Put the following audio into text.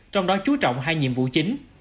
trong đó chú trọng hai nhiệm vụ chính